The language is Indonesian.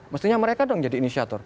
mestinya mereka dong jadi inisiator